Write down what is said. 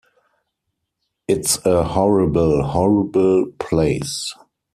It's a horrible, horrible place.